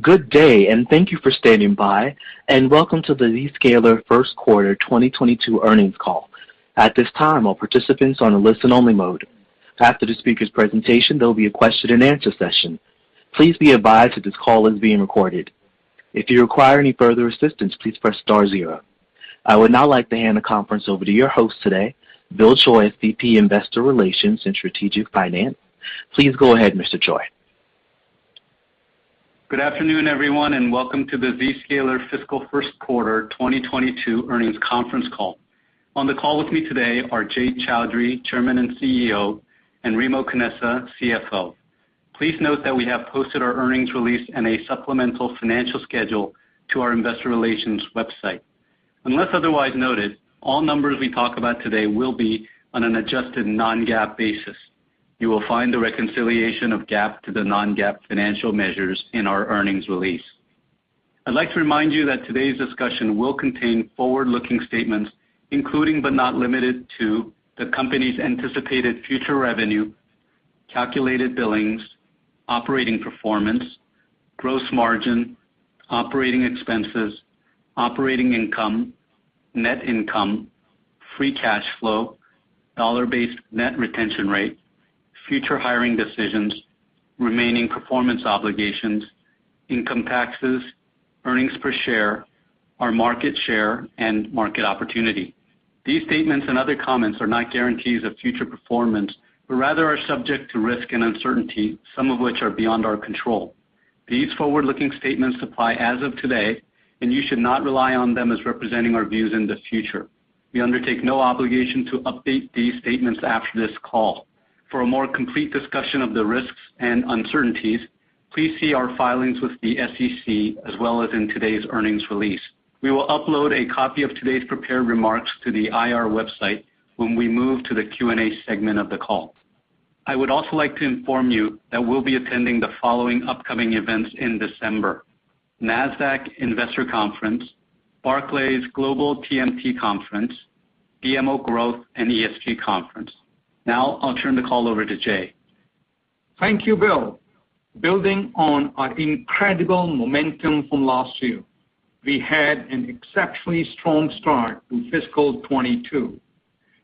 Good day, and thank you for standing by, and welcome to the Zscaler First Quarter 2022 Earnings Call. At this time, all participants are in a listen-only mode. After the speaker's presentation, there'll be a question-and-answer session. Please be advised that this call is being recorded. If you require any further assistance, please press star zero. I would now like to hand the conference over to your host today, Bill Choi, SVP, Investor Relations and Strategic Finance. Please go ahead, Mr. Choi. Good afternoon, everyone, and welcome to the Zscaler Fiscal First Quarter 2022 Earnings Conference Call. On the call with me today are Jay Chaudhry, Chairman and CEO, and Remo Canessa, CFO. Please note that we have posted our earnings release and a supplemental financial schedule to our investor relations website. Unless otherwise noted, all numbers we talk about today will be on an adjusted non-GAAP basis. You will find the reconciliation of GAAP to the non-GAAP financial measures in our earnings release. I'd like to remind you that today's discussion will contain forward-looking statements, including, but not limited to, the company's anticipated future revenue, calculated billings, operating performance, gross margin, operating expenses, operating income, net income, free cash flow, dollar-based net retention rate, future hiring decisions, remaining performance obligations, income taxes, earnings per share, our market share and market opportunity. These statements and other comments are not guarantees of future performance, but rather are subject to risk and uncertainty, some of which are beyond our control. These forward-looking statements apply as of today, and you should not rely on them as representing our views in the future. We undertake no obligation to update these statements after this call. For a more complete discussion of the risks and uncertainties, please see our filings with the SEC as well as in today's earnings release. We will upload a copy of today's prepared remarks to the IR website when we move to the Q&A segment of the call. I would also like to inform you that we'll be attending the following upcoming events in December: Nasdaq Investor Conference, Barclays Global TMT Conference, BMO Growth & ESG Conference. Now I'll turn the call over to Jay. Thank you, Bill. Building on our incredible momentum from last year, we had an exceptionally strong start to fiscal 2022.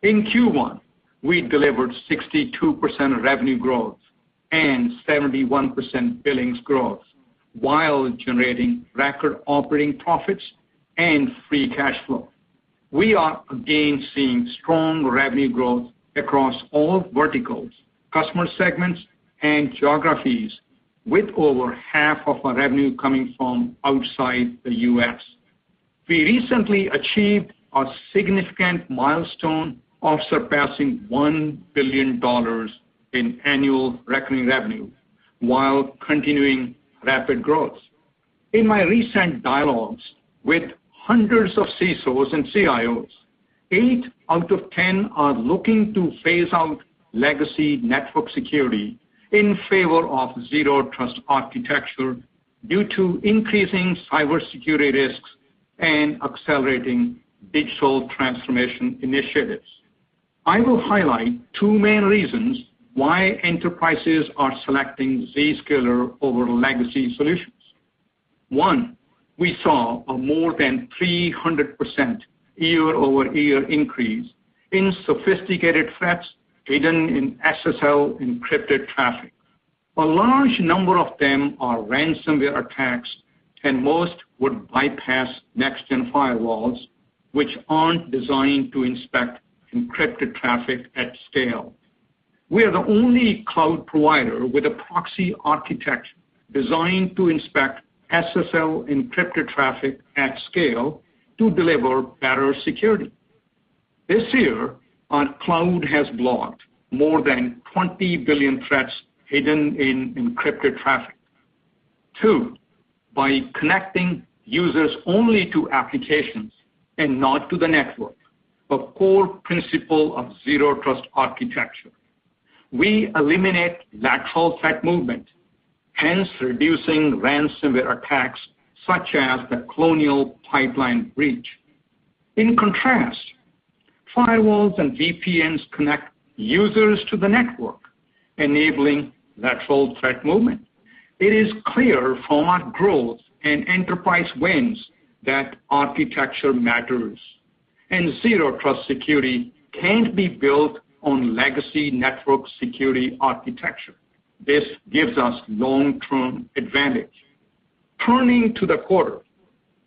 In Q1, we delivered 62% revenue growth and 71% billings growth while generating record operating profits and free cash flow. We are again seeing strong revenue growth across all verticals, customer segments and geographies, with over half of our revenue coming from outside the U.S. We recently achieved a significant milestone of surpassing $1 billion in annual recurring revenue while continuing rapid growth. In my recent dialogues with hundreds of CISOs and CIOs, eight out of 10 are looking to phase out legacy network security in favor of zero trust architecture due to increasing cybersecurity risks and accelerating digital transformation initiatives. I will highlight two main reasons why enterprises are selecting Zscaler over legacy solutions. One, we saw a more than 300% year-over-year increase in sophisticated threats hidden in SSL-encrypted traffic. A large number of them are ransomware attacks, and most would bypass next-gen firewalls, which aren't designed to inspect encrypted traffic at scale. We are the only cloud provider with a proxy architecture designed to inspect SSL-encrypted traffic at scale to deliver better security. This year, our cloud has blocked more than 20 billion threats hidden in encrypted traffic. Two, by connecting users only to applications and not to the network, a core principle of zero trust architecture, we eliminate lateral threat movement, hence reducing ransomware attacks such as the Colonial Pipeline breach. In contrast, firewalls and VPNs connect users to the network, enabling lateral threat movement. It is clear from our growth and enterprise wins that architecture matters and zero trust security can't be built on legacy network security architecture. This gives us long-term advantage. Turning to the quarter,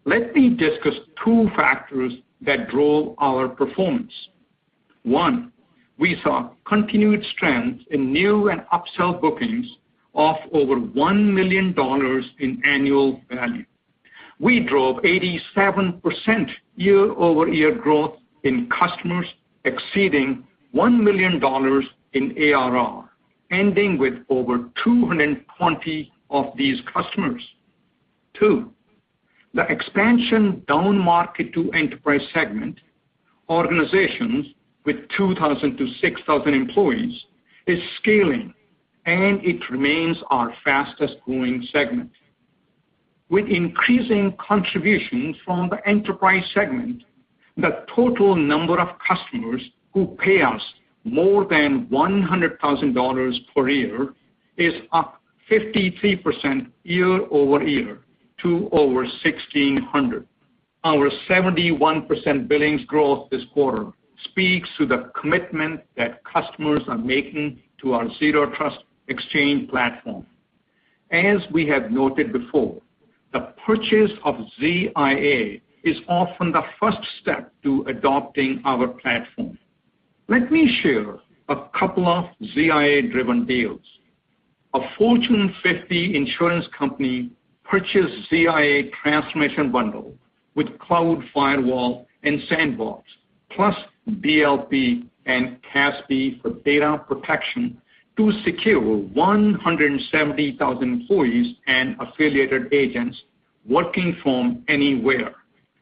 let me discuss two factors that drove our performance. One, we saw continued strength in new and upsell bookings of over $1 million in annual value. We drove 87% year-over-year growth in customers exceeding $1 million in ARR, ending with over 220 of these customers. Two, the expansion downmarket to enterprise segment, organizations with 2,000-6,000 employees, is scaling, and it remains our fastest growing segment. With increasing contributions from the enterprise segment, the total number of customers who pay us more than $100,000 per year is up 53% year-over-year to over 1,600. Our 71% billings growth this quarter speaks to the commitment that customers are making to our Zero Trust Exchange platform. As we have noted before, the purchase of ZIA is often the first step to adopting our platform. Let me share a couple of ZIA-driven deals. A Fortune 50 insurance company purchased ZIA Transformation Bundle with Cloud Firewall and Sandbox, plus DLP and CASB for data protection to secure 170,000 employees and affiliated agents working from anywhere.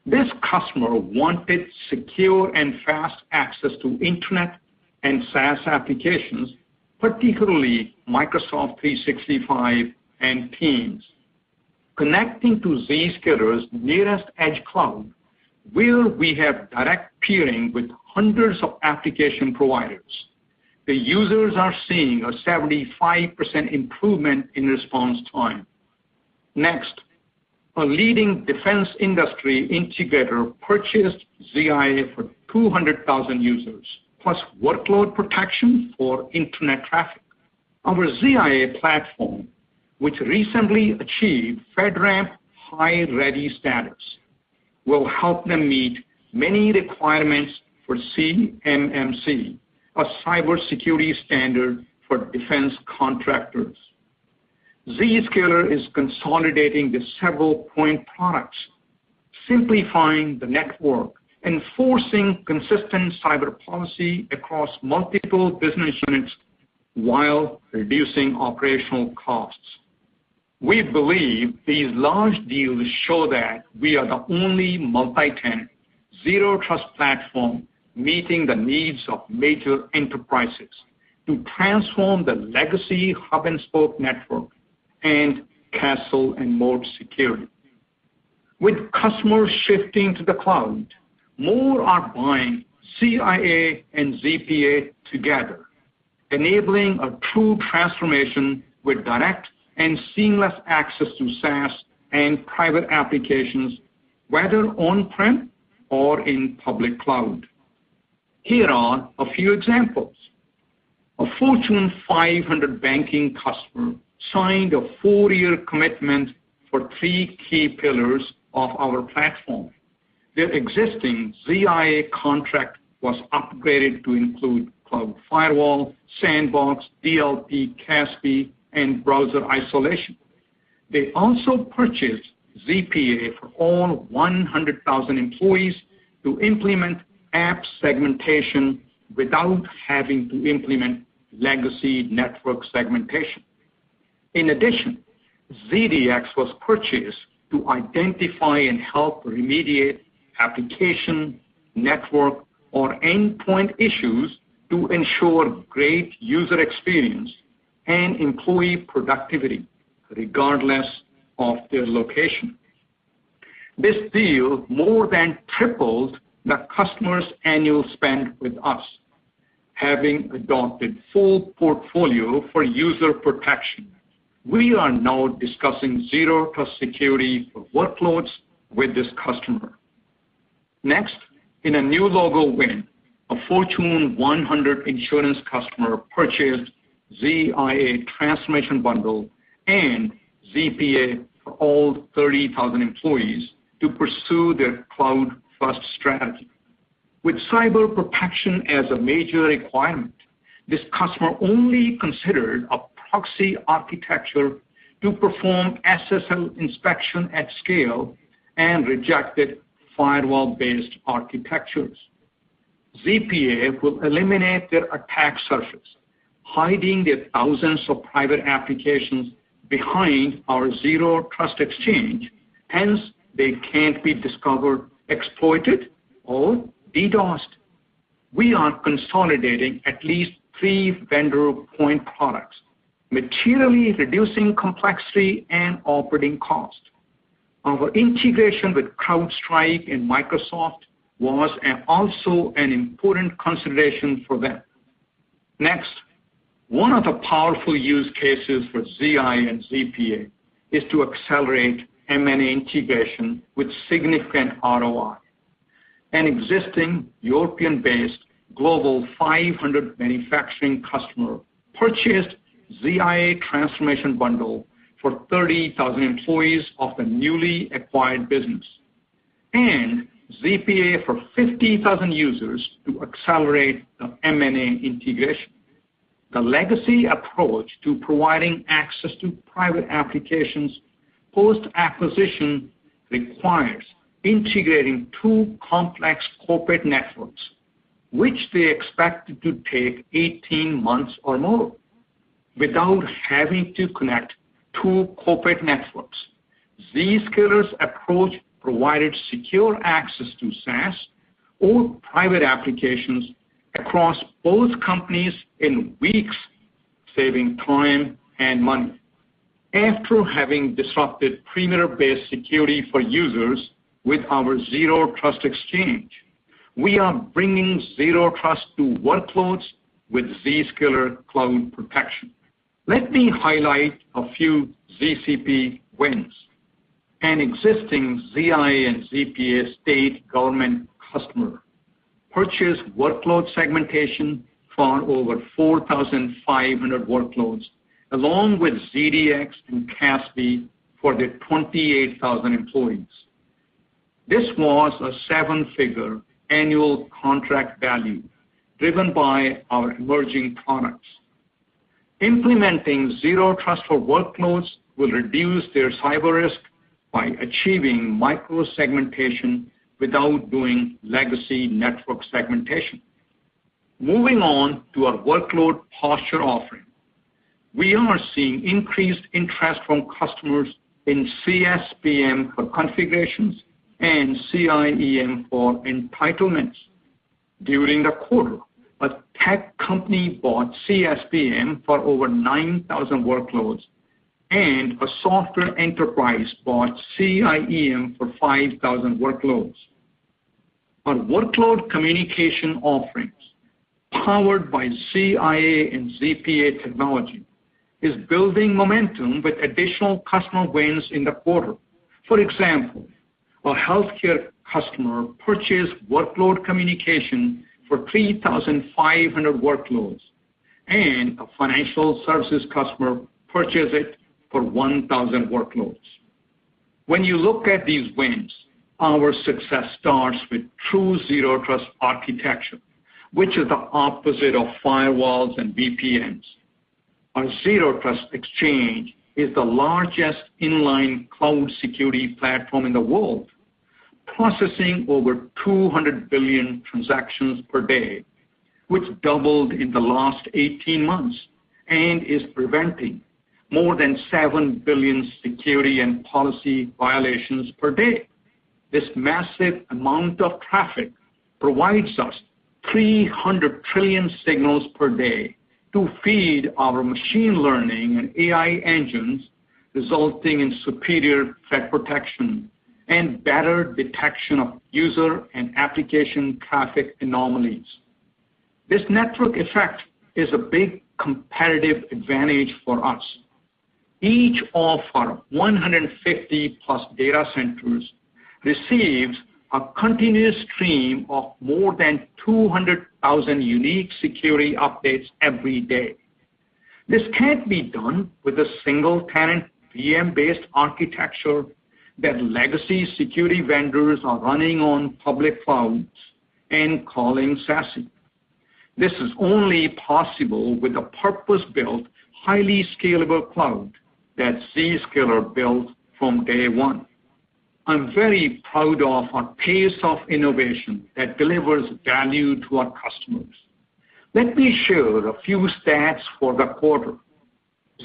This customer wanted secure and fast access to internet and SaaS applications, particularly Microsoft 365 and Teams. Connecting to Zscaler's nearest edge cloud, where we have direct peering with hundreds of application providers, the users are seeing a 75% improvement in response time. Next, a leading defense industry integrator purchased ZIA for 200,000 users, plus workload protection for internet traffic. Our ZIA platform, which recently achieved FedRAMP high ready status, will help them meet many requirements for CMMC, a cybersecurity standard for defense contractors. Zscaler is consolidating the several point products, simplifying the network, enforcing consistent cyber policy across multiple business units while reducing operational costs. We believe these large deals show that we are the only multi-tenant Zero Trust platform meeting the needs of major enterprises to transform the legacy hub and spoke network and castle and moat security. With customers shifting to the cloud, more are buying ZIA and ZPA together, enabling a true transformation with direct and seamless access to SaaS and private applications, whether on-prem or in public cloud. Here are a few examples. A Fortune 500 banking customer signed a 4-year commitment for three key pillars of our platform. Their existing ZIA contract was upgraded to include Cloud Firewall, Sandbox, DLP, CASB, and browser isolation. They also purchased ZPA for all 100,000 employees to implement app segmentation without having to implement legacy network segmentation. In addition, ZDX was purchased to identify and help remediate application, network, or endpoint issues to ensure great user experience and employee productivity regardless of their location. This deal more than tripled the customer's annual spend with us, having adopted full portfolio for user protection. We are now discussing Zero Trust security for workloads with this customer. Next, in a new logo win, a Fortune 100 insurance customer purchased ZIA Transformation Bundle and ZPA for all 30,000 employees to pursue their cloud first strategy. With cyber protection as a major requirement, this customer only considered a proxy architecture to perform SSL inspection at scale and rejected firewall-based architectures. ZPA will eliminate their attack surface, hiding their thousands of private applications behind our Zero Trust Exchange. Hence, they can't be discovered, exploited, or DDoS. We are consolidating at least three vendor point products, materially reducing complexity and operating cost. Our integration with CrowdStrike and Microsoft was also an important consideration for them. Next, one of the powerful use cases for ZIA and ZPA is to accelerate M&A integration with significant ROI. An existing European-based global 500 manufacturing customer purchased ZIA Transformation Bundle for 30,000 employees of the newly acquired business and ZPA for 50,000 users to accelerate the M&A integration. The legacy approach to providing access to private applications post-acquisition requires integrating two complex corporate networks, which they expect to take 18 months or more. Without having to connect two corporate networks, Zscaler's approach provided secure access to SaaS or private applications across both companies in weeks. Saving time and money. After having disrupted perimeter-based security for users with our Zero Trust Exchange, we are bringing zero trust to workloads with Zscaler Cloud Protection. Let me highlight a few ZCP wins. An existing ZIA and ZPA state government customer purchased workload segmentation for over 4,500 workloads, along with ZDX and CASB for their 28,000 employees. This was a seven-figure annual contract value driven by our emerging products. Implementing zero trust for workloads will reduce their cyber risk by achieving micro-segmentation without doing legacy network segmentation. Moving on to our workload posture offering. We are seeing increased interest from customers in CSPM for configurations and CIEM for entitlements. During the quarter, a tech company bought CSPM for over 9,000 workloads, and a software enterprise bought CIEM for 5,000 workloads. Our workload communication offerings, powered by ZIA and ZPA technology, is building momentum with additional customer wins in the quarter. For example, a healthcare customer purchased workload communication for 3,500 workloads, and a financial services customer purchased it for 1,000 workloads. When you look at these wins, our success starts with true zero trust architecture, which is the opposite of firewalls and VPNs. Our Zero Trust Exchange is the largest inline cloud security platform in the world, processing over 200 billion transactions per day, which doubled in the last 18 months and is preventing more than 7 billion security and policy violations per day. This massive amount of traffic provides us 300 trillion signals per day to feed our machine learning and AI engines, resulting in superior threat protection and better detection of user and application traffic anomalies. This network effect is a big competitive advantage for us. Each of our 150-plus data centers receives a continuous stream of more than 200,000 unique security updates every day. This can't be done with a single-tenant VM-based architecture that legacy security vendors are running on public clouds and calling SASE. This is only possible with a purpose-built, highly scalable cloud that Zscaler built from day one. I'm very proud of our pace of innovation that delivers value to our customers. Let me share a few stats for the quarter.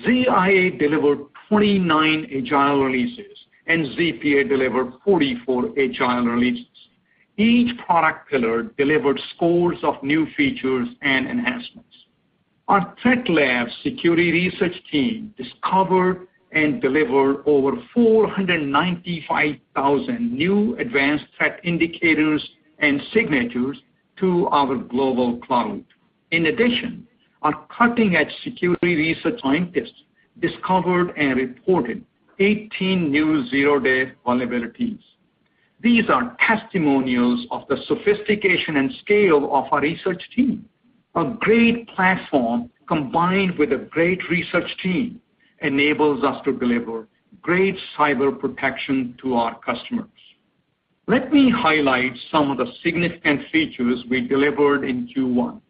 ZIA delivered 29 agile releases, and ZPA delivered 44 agile releases. Each product pillar delivered scores of new features and enhancements. Our ThreatLabz security research team discovered and delivered over 495,000 new advanced threat indicators and signatures to our global cloud. In addition, our cutting-edge security research scientists discovered and reported 18 new zero-day vulnerabilities. These are testimonials of the sophistication and scale of our research team. A great platform combined with a great research team enables us to deliver great cyber protection to our customers. Let me highlight some of the significant features we delivered in Q1.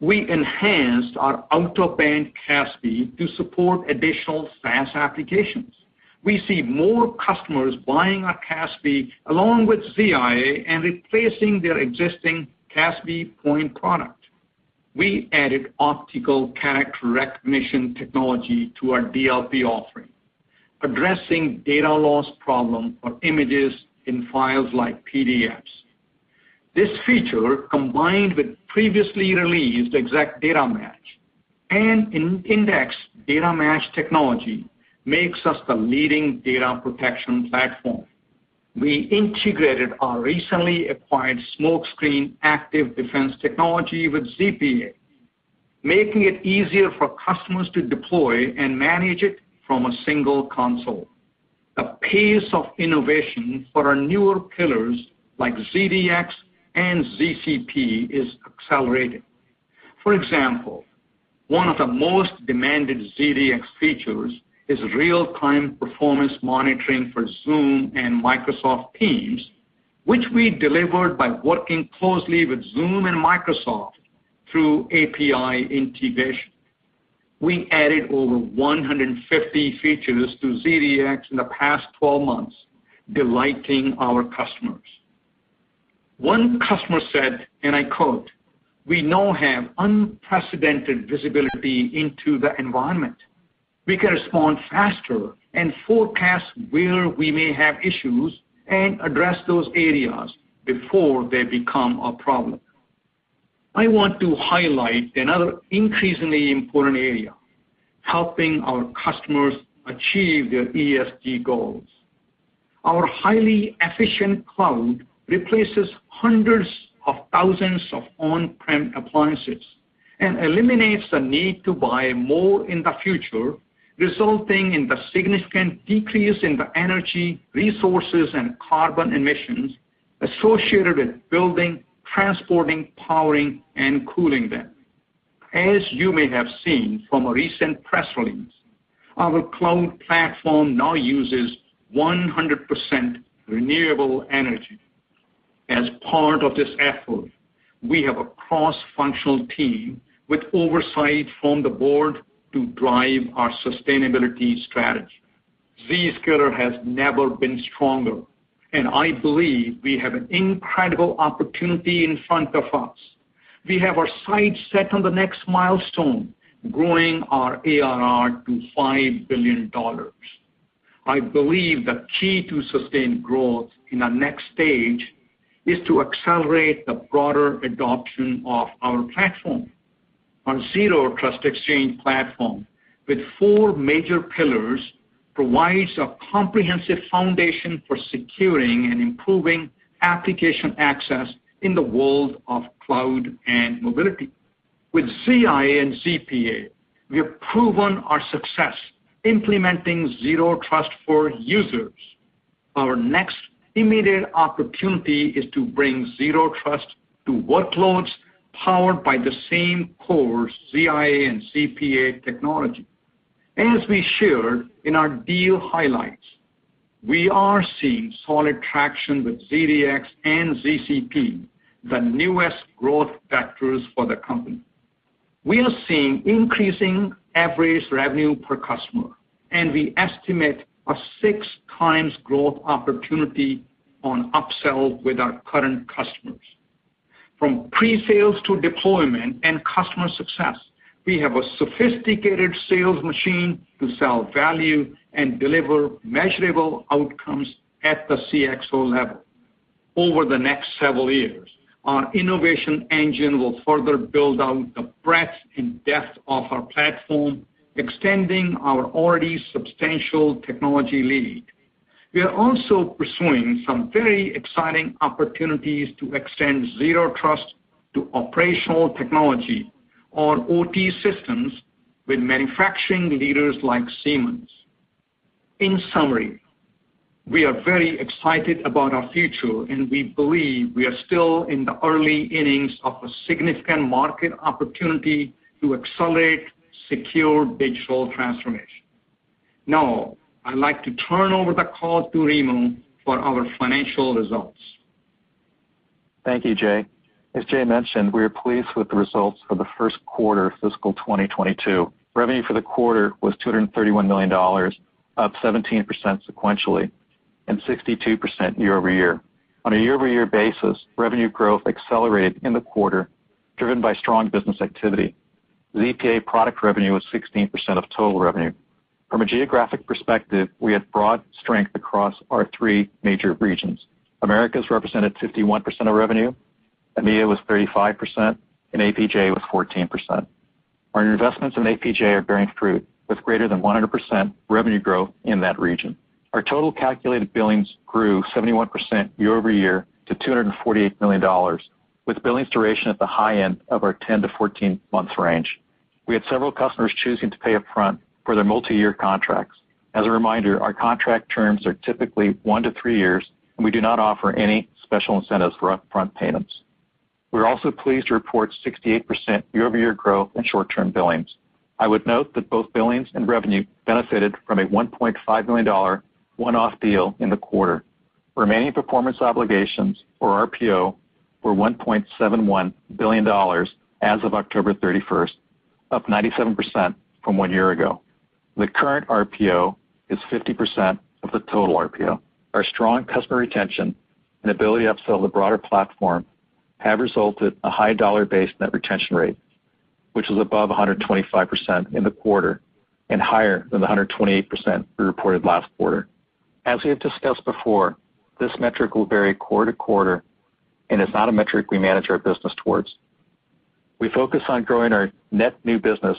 We enhanced our out-of-band CASB to support additional SaaS applications. We see more customers buying our CASB along with ZIA and replacing their existing CASB point product. We added optical character recognition technology to our DLP offering, addressing data loss problem for images in files like PDFs. This feature, combined with previously released exact data match and index data match technology, makes us the leading data protection platform. We integrated our recently acquired Smokescreen active defense technology with ZPA, making it easier for customers to deploy and manage it from a single console. The pace of innovation for our newer pillars like ZDX and ZCP is accelerating. For example, one of the most demanded ZDX features is real-time performance monitoring for Zoom and Microsoft Teams, which we delivered by working closely with Zoom and Microsoft through API integration. We added over 150 features to ZDX in the past 12 months, delighting our customers. One customer said, and I quote, "We now have unprecedented visibility into the environment. We can respond faster and forecast where we may have issues and address those areas before they become a problem." I want to highlight another increasingly important area, helping our customers achieve their ESG goals. Our highly efficient cloud replaces hundreds of thousands of on-prem appliances and eliminates the need to buy more in the future, resulting in the significant decrease in the energy, resources, and carbon emissions associated with building, transporting, powering, and cooling them. As you may have seen from a recent press release, our cloud platform now uses 100% renewable energy. As part of this effort, we have a cross-functional team with oversight from the board to drive our sustainability strategy. Zscaler has never been stronger, and I believe we have an incredible opportunity in front of us. We have our sights set on the next milestone, growing our ARR to $5 billion. I believe the key to sustained growth in our next stage is to accelerate the broader adoption of our platform. Our Zero Trust Exchange platform, with four major pillars, provides a comprehensive foundation for securing and improving application access in the world of cloud and mobility. With ZIA and ZPA, we have proven our success implementing Zero Trust for users. Our next immediate opportunity is to bring Zero Trust to workloads powered by the same core ZIA and ZPA technology. As we shared in our deal highlights, we are seeing solid traction with ZDX and ZCP, the newest growth vectors for the company. We are seeing increasing average revenue per customer, and we estimate a six times growth opportunity on upsell with our current customers. From pre-sales to deployment and customer success, we have a sophisticated sales machine to sell value and deliver measurable outcomes at the CxO level. Over the next several years, our innovation engine will further build out the breadth and depth of our platform, extending our already substantial technology lead. We are also pursuing some very exciting opportunities to extend Zero Trust to operational technology on OT systems with manufacturing leaders like Siemens. In summary, we are very excited about our future, and we believe we are still in the early innings of a significant market opportunity to accelerate secure digital transformation. Now, I'd like to turn over the call to Remo for our financial results. Thank you, Jay. As Jay mentioned, we are pleased with the results for the first quarter fiscal 2022. Revenue for the quarter was $231 million, up 17% sequentially and 62% year-over-year. On a year-over-year basis, revenue growth accelerated in the quarter, driven by strong business activity. ZPA product revenue was 16% of total revenue. From a geographic perspective, we had broad strength across our three major regions. Americas represented 51% of revenue, EMEA was 35%, and APJ was 14%. Our investments in APJ are bearing fruit with greater than 100% revenue growth in that region. Our total calculated billings grew 71% year-over-year to $248 million, with billings duration at the high end of our 10-14 month range. We had several customers choosing to pay up front for their multiyear contracts. As a reminder, our contract terms are typically 1-3 years, and we do not offer any special incentives for upfront payments. We're also pleased to report 68% year-over-year growth in short-term billings. I would note that both billings and revenue benefited from a $1.5 million one-off deal in the quarter. Remaining performance obligations, or RPO, were $1.71 billion as of October 31, up 97% from 1 year ago. The current RPO is 50% of the total RPO. Our strong customer retention and ability to upsell the broader platform have resulted in a high dollar-based net retention rate, which is above 125% in the quarter and higher than the 128% we reported last quarter. As we have discussed before, this metric will vary quarter to quarter and is not a metric we manage our business towards. We focus on growing our net new business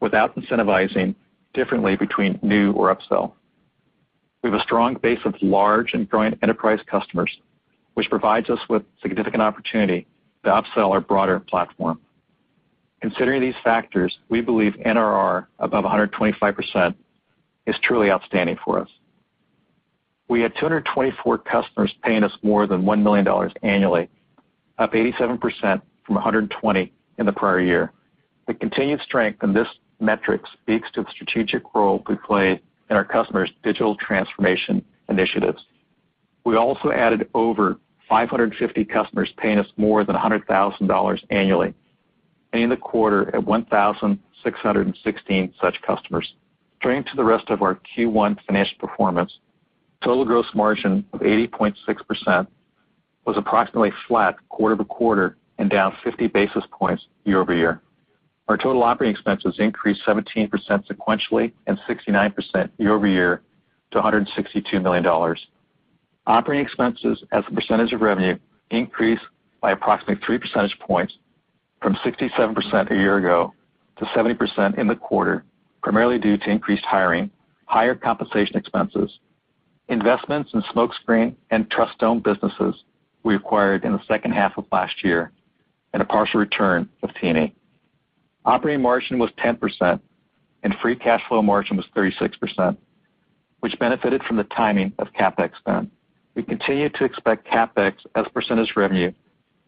without incentivizing differently between new or upsell. We have a strong base of large and growing enterprise customers, which provides us with significant opportunity to upsell our broader platform. Considering these factors, we believe NRR above 125% is truly outstanding for us. We had 224 customers paying us more than $1 million annually, up 87% from 120 in the prior year. The continued strength in this metric speaks to the strategic role we play in our customers' digital transformation initiatives. We also added over 550 customers paying us more than $100,000 annually, ending the quarter at 1,616 such customers. Turning to the rest of our Q1 financial performance, total gross margin of 80.6% was approximately flat quarter-over-quarter and down 50 basis points year-over-year. Our total operating expenses increased 17% sequentially and 69% year-over-year to $162 million. Operating expenses as a percentage of revenue increased by approximately three percentage points from 67% a year ago to 70% in the quarter, primarily due to increased hiring, higher compensation expenses, investments in Smokescreen and Trustdome businesses we acquired in the second half of last year, and a partial return of T&E. Operating margin was 10% and free cash flow margin was 36%, which benefited from the timing of CapEx spend. We continue to expect CapEx as a percentage of revenue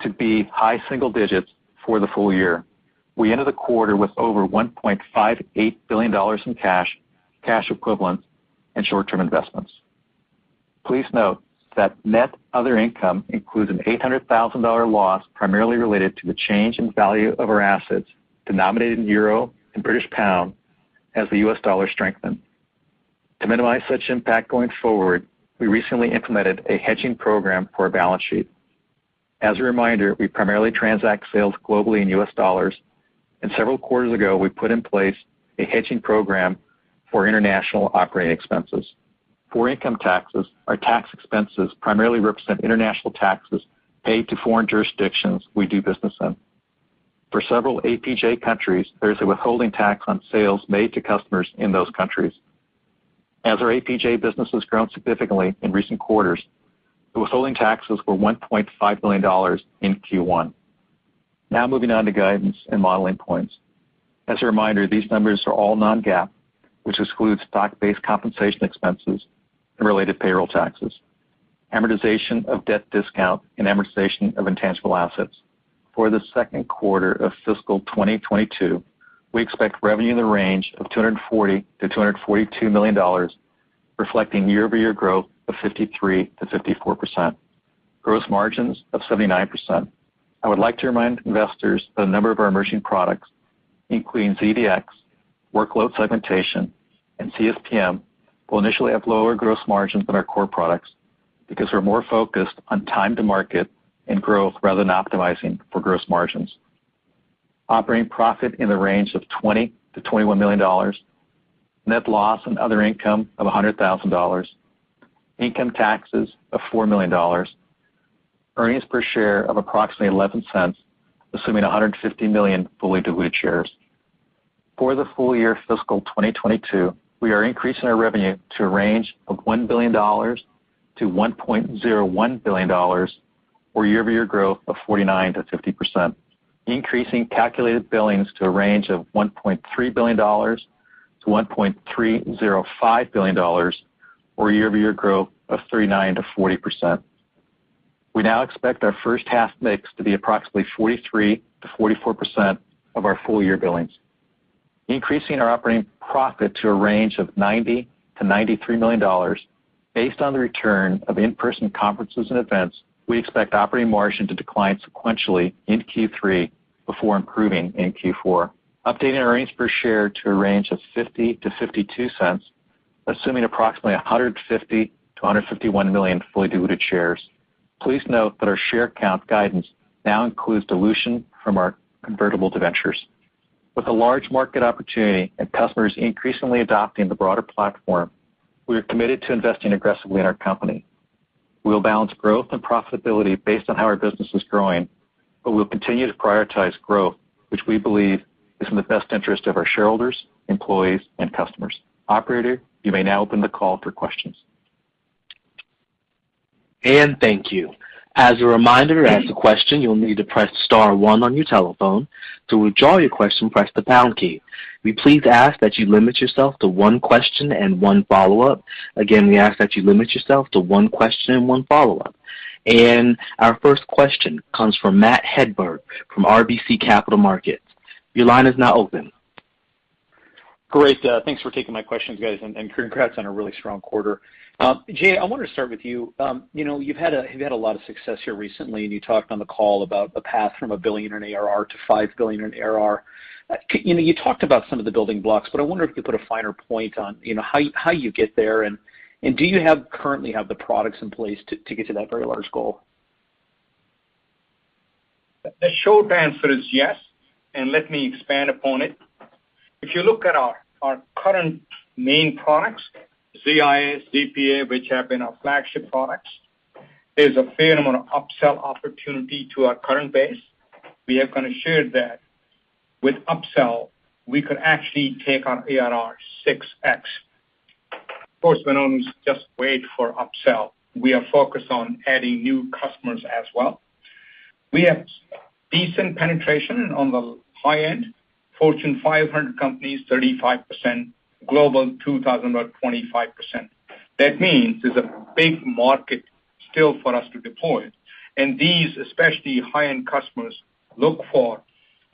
to be high single digits for the full year. We ended the quarter with over $1.58 billion in cash equivalents, and short-term investments. Please note that net other income includes an $800,000 loss, primarily related to the change in value of our assets denominated in euro and British pound as the U.S. dollar strengthened. To minimize such impact going forward, we recently implemented a hedging program for our balance sheet. As a reminder, we primarily transact sales globally in U.S. dollars, and several quarters ago we put in place a hedging program for international operating expenses. For income taxes, our tax expenses primarily represent international taxes paid to foreign jurisdictions we do business in. For several APJ countries, there is a withholding tax on sales made to customers in those countries. As our APJ business has grown significantly in recent quarters, the withholding taxes were $1.5 million in Q1. Now moving on to guidance and modeling points. As a reminder, these numbers are all non-GAAP, which excludes stock-based compensation expenses and related payroll taxes, amortization of debt discount, and amortization of intangible assets. For the second quarter of fiscal 2022, we expect revenue in the range of $240 million-$242 million, reflecting year-over-year growth of 53%-54%. Gross margins of 79%. I would like to remind investors that a number of our emerging products, including ZDX, workload segmentation, and CSPM, will initially have lower gross margins than our core products because we're more focused on time to market and growth rather than optimizing for gross margins. Operating profit in the range of $20 million-$21 million. Net loss on other income of $100,000. Income taxes of $4 million. Earnings per share of approximately $0.11, assuming 150 million fully diluted shares. For the full year fiscal 2022, we are increasing our revenue to a range of $1 billion-$1.01 billion, or year-over-year growth of 49%-50%. Increasing calculated billings to a range of $1.3 billion-$1.305 billion, or year-over-year growth of 39%-40%. We now expect our first half mix to be approximately 43%-44% of our full year billings, increasing our operating profit to a range of $90 million-$93 million. Based on the return of in-person conferences and events, we expect operating margin to decline sequentially in Q3 before improving in Q4. We are updating our earnings per share to a range of $0.50-$0.52, assuming approximately 150-151 million fully diluted shares. Please note that our share count guidance now includes dilution from our convertible debentures. With a large market opportunity and customers increasingly adopting the broader platform, we are committed to investing aggressively in our company. We'll balance growth and profitability based on how our business is growing, but we'll continue to prioritize growth, which we believe is in the best interest of our shareholders, employees, and customers. Operator, you may now open the call for questions. Thank you. As a reminder, to ask a question, you'll need to press star one on your telephone. To withdraw your question, press the pound key. We please ask that you limit yourself to one question and one follow-up. Again, we ask that you limit yourself to one question and one follow-up. Our first question comes from Matt Hedberg from RBC Capital Markets. Your line is now open. Great. Thanks for taking my questions, guys, and congrats on a really strong quarter. Jay, I wanna start with you. You've had a lot of success here recently, and you talked on the call about a path from 1 billion in ARR to 5 billion in ARR. You talked about some of the building blocks, but I wonder if you could put a finer point on, you know, how you get there, and do you currently have the products in place to get to that very large goal? The short answer is yes, and let me expand upon it. If you look at our current main products, ZIA, ZPA, which have been our flagship products, there's a fair amount of upsell opportunity to our current base. We have kinda shared that with upsell, we could actually take our ARR 6x. Of course, we don't just wait for upsell. We are focused on adding new customers as well. We have decent penetration on the high end, Fortune 500 companies, 35% global, 25%. That means there's a big market still for us to deploy. These especially high-end customers look for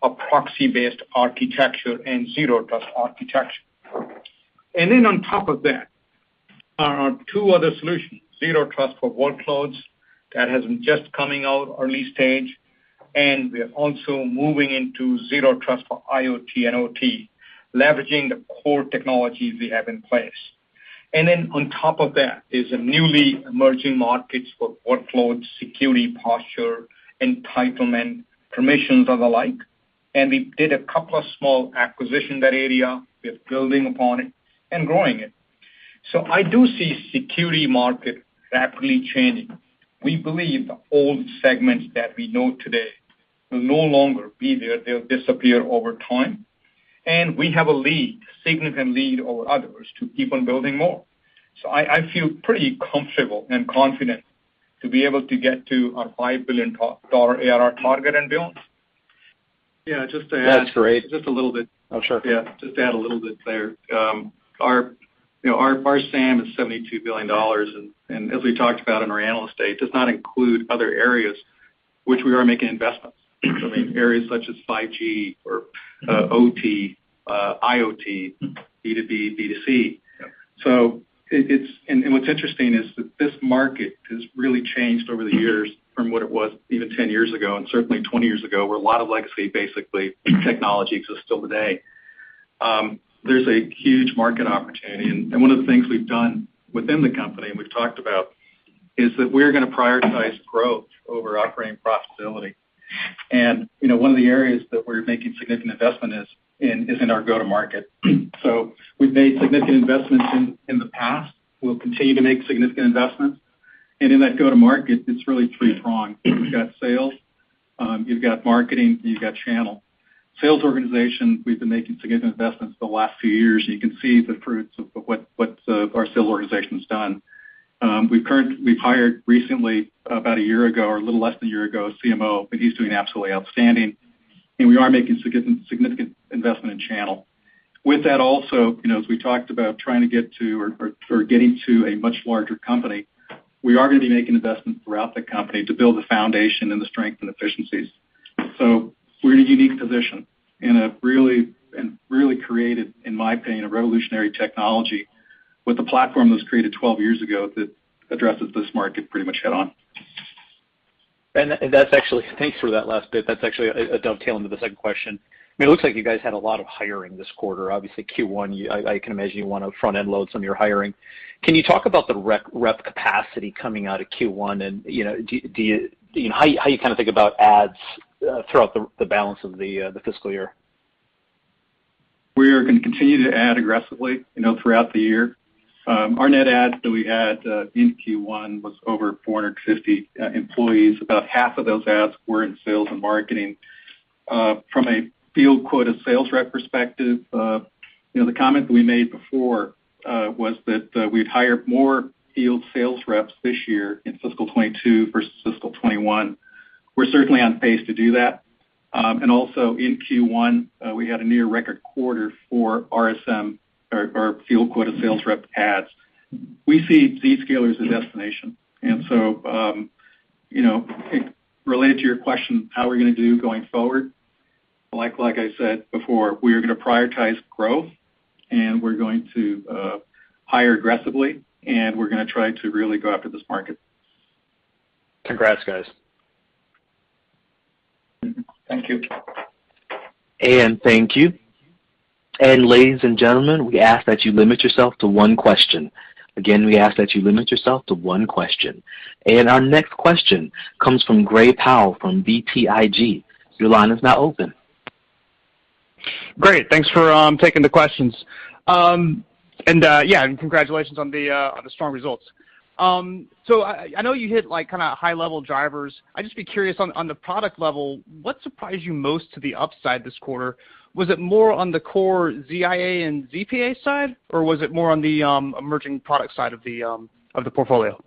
a proxy-based architecture and zero trust architecture. On top of that are our two other solutions, Zero Trust for Workloads that has been just coming out early stage, and we're also moving into Zero Trust for IoT and OT, leveraging the core technologies we have in place. Then on top of that is a newly emerging markets for workload, security, posture, entitlement, permissions and the like. We did a couple of small acquisition in that area. We're building upon it and growing it. I do see security market rapidly changing. We believe the old segments that we know today will no longer be there. They'll disappear over time. We have a lead, significant lead over others to keep on building more. I feel pretty comfortable and confident to be able to get to our $5 billion ARR target and beyond. Yeah, just to add. That's great. Just a little bit. Oh, sure. Yeah, just to add a little bit there. You know, our SAM is $72 billion, and as we talked about in our Analyst Day, does not include other areas which we are making investments. I mean, areas such as 5G or OT, IoT, B2B, B2C. Yep. What's interesting is that this market has really changed over the years from what it was even 10 years ago and certainly 20 years ago, where a lot of legacy basically technology exists still today. There's a huge market opportunity, one of the things we've done within the company, and we've talked about, is that we're gonna prioritize growth over operating profitability. You know, one of the areas that we're making significant investment is in our go-to-market. We've made significant investments in the past. We'll continue to make significant investments. In that go-to-market, it's really three-pronged. You've got sales, you've got marketing, you've got channel. Sales organization, we've been making significant investments for the last few years, and you can see the fruits of what our sales organization's done. We've hired recently, about a year ago or a little less than a year ago, a CMO, and he's doing absolutely outstanding. We are making significant investment in channel. With that also, you know, as we talked about trying to get to or getting to a much larger company, we are gonna be making investments throughout the company to build the foundation and the strength and efficiencies. We're in a unique position and really created, in my opinion, a revolutionary technology with a platform that was created 12 years ago that addresses this market pretty much head on. That's actually. Thanks for that last bit. That's actually a dovetail into the second question. I mean, it looks like you guys had a lot of hiring this quarter, obviously Q1. I can imagine you wanna front-end load some of your hiring. Can you talk about the rep capacity coming out of Q1 and, you know, do you. How you kinda think about adds throughout the balance of the fiscal year? We are gonna continue to add aggressively, you know, throughout the year. Our net adds that we had in Q1 was over 450 employees. About half of those adds were in sales and marketing. From a field quota sales rep perspective, you know, the comment we made before was that we'd hire more field sales reps this year in fiscal 2022 versus fiscal 2021. We're certainly on pace to do that. Also in Q1, we had a near record quarter for RSM or field quota sales rep adds. We see Zscaler as a destination. Related to your question, how we're gonna do going forward, like I said before, we are gonna prioritize growth, and we're going to hire aggressively, and we're gonna try to really go after this market. Congrats, guys. Thank you. Thank you. Ladies and gentlemen, we ask that you limit yourself to one question. Our next question comes from Gray Powell from BTIG. Your line is now open. Great. Thanks for taking the questions. And yeah, congratulations on the strong results. I know you hit like kinda high level drivers. I'd just be curious on the product level, what surprised you most to the upside this quarter? Was it more on the core ZIA and ZPA side, or was it more on the emerging product side of the portfolio?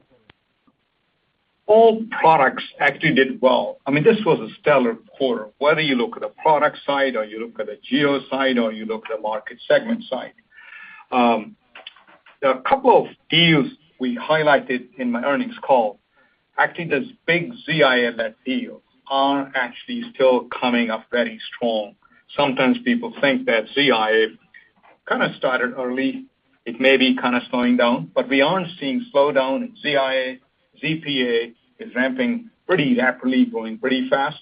All products actually did well. I mean, this was a stellar quarter, whether you look at the product side or you look at the geo side or you look at the market segment side. There are a couple of deals we highlighted in my earnings call. Actually, this big ZIA deal are actually still coming up very strong. Sometimes people think that ZIA kind of started early, it may be kinda slowing down, but we aren't seeing slowdown in ZIA. ZPA is ramping pretty rapidly, growing pretty fast.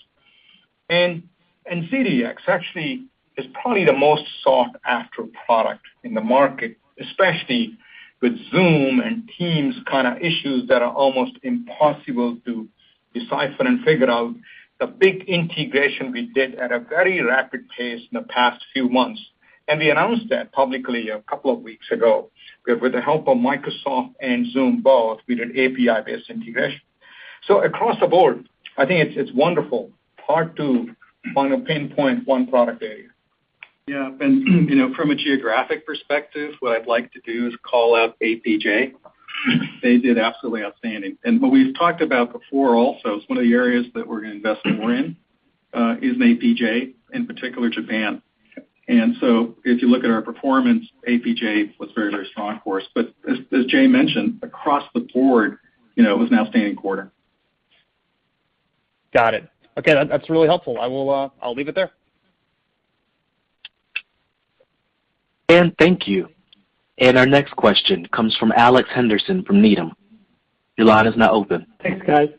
ZDX actually is probably the most sought-after product in the market, especially with Zoom and Teams kinda issues that are almost impossible to decipher and figure out. The big integration we did at a very rapid pace in the past few months, and we announced that publicly a couple of weeks ago, with the help of Microsoft and Zoom both, we did API-based integration. Across the board, I think it's wonderful, hard to finally pinpoint one product area. Yeah. From a geographic perspective, what I'd like to do is call out APJ. They did absolutely outstanding. What we've talked about before also, it's one of the areas that we're gonna invest more in is in APJ, in particular Japan. If you look at our performance, APJ was very, very strong for us. As Jay mentioned, across the board, you know, it was an outstanding quarter. Got it. Okay. That, that's really helpful. I will, I'll leave it there. Thank you. Our next question comes from Alex Henderson from Needham. Your line is now open. Thanks, guys.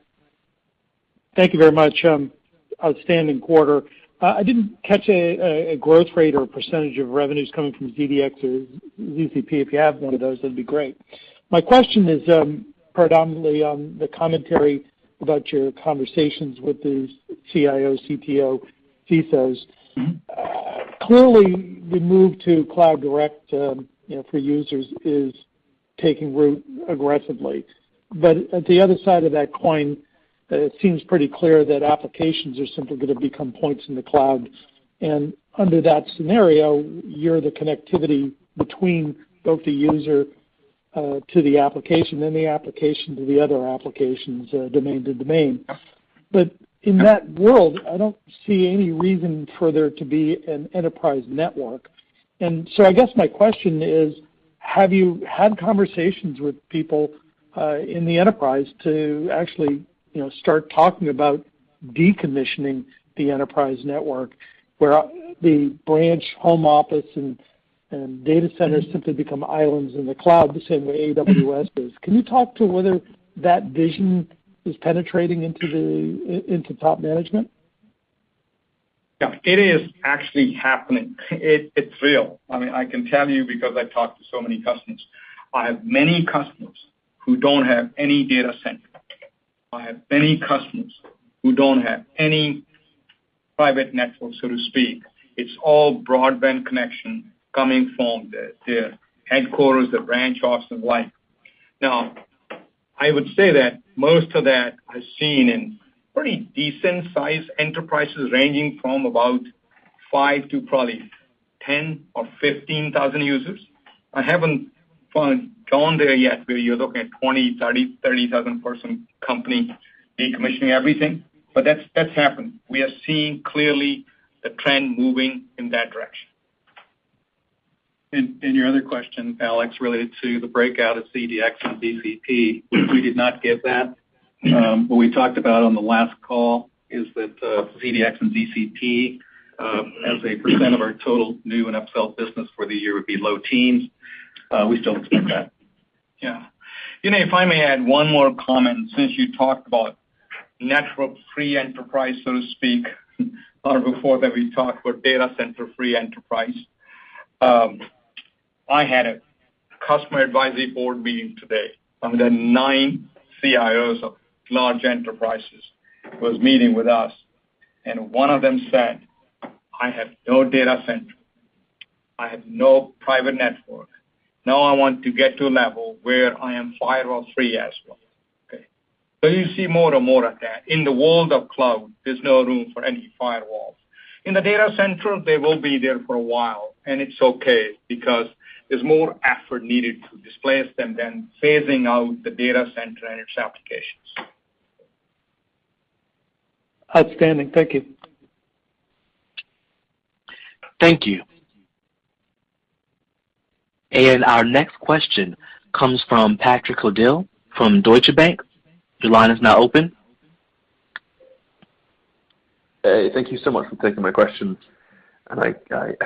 Thank you very much. Outstanding quarter. I didn't catch a growth rate or percentage of revenues coming from ZDX or ZCP. If you have one of those, that'd be great. My question is, predominantly on the commentary about your conversations with the CIO, CTO CISOs. Mm-hmm. Clearly the move to cloud direct, you know, for users is taking root aggressively. At the other side of that coin, it seems pretty clear that applications are simply gonna become points in the cloud. Under that scenario, you're the connectivity between both the user to the application and the application to the other applications, domain to domain. In that world, I don't see any reason for there to be an enterprise network. I guess my question is, have you had conversations with people in the enterprise to actually, you know, start talking about decommissioning the enterprise network, where the branch home office and data centers simply become islands in the cloud, the same way AWS is. Can you talk to whether that vision is penetrating into top management? Yeah. It is actually happening. It's real. I mean, I can tell you because I've talked to so many customers. I have many customers who don't have any data center. I have many customers who don't have any private network, so to speak. It's all broadband connection coming from the headquarters, the branch office and like. Now, I would say that most of that I've seen in pretty decent sized enterprises ranging from about 5 to probably 10 or 15 thousand users. I haven't gone there yet, where you're looking at 20, 30 thousand-person company decommissioning everything, but that's happened. We are seeing clearly the trend moving in that direction. Your other question, Alex, related to the breakout of ZDX and ZCP, we did not give that. What we talked about on the last call is that ZDX and ZCP as a % of our total new and upsell business for the year would be low teens%. We still expect that. Yeah. If I may add one more comment, since you talked about network-free enterprise, so to speak, or before that we talked about data center-free enterprise. I had a customer advisory board meeting today, and the nine CIOs of large enterprises was meeting with us, and one of them said, "I have no data center. I have no private network. Now I want to get to a level where I am firewall-free as well." Okay? You see more and more of that. In the world of cloud, there's no room for any firewalls. In the data center, they will be there for a while, and it's okay because there's more effort needed to displace them than phasing out the data center and its applications. Outstanding. Thank you. Thank you. Our next question comes from Patrick Colville from Deutsche Bank. Your line is now open. Hey, thank you so much for taking my question. I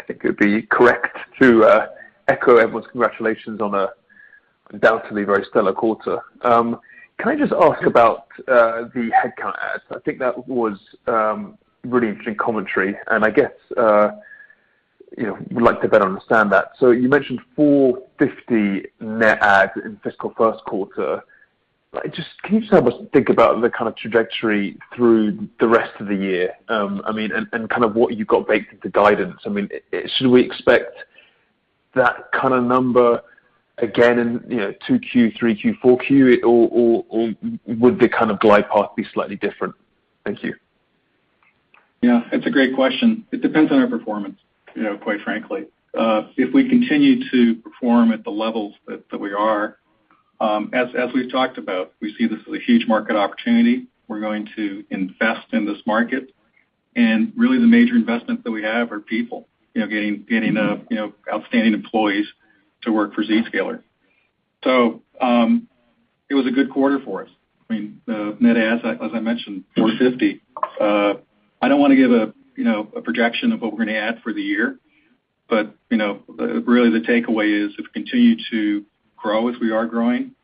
think it would be correct to echo everyone's congratulations on a undoubtedly very stellar quarter. Can I just ask about the headcount adds? I think that was really interesting commentary and I guess you know would like to better understand that. You mentioned 450 net adds in fiscal first quarter. Can you help us think about the kind of trajectory through the rest of the year? I mean, kind of what you've got baked into guidance. I mean, should we expect that kind of number again in you know 2Q, 3Q, 4Q, or would the kind of glide path be slightly different? Thank you. Yeah, it's a great question. It depends on our performance, you know, quite frankly. If we continue to perform at the levels that we are, as we've talked about, we see this as a huge market opportunity. We're going to invest in this market, and really the major investments that we have are people, you know, getting outstanding employees to work for Zscaler. It was a good quarter for us. I mean, the net adds, as I mentioned, 450. I don't wanna give a projection of what we're gonna add for the year, but, you know, really the takeaway is if we continue to grow as we are growing,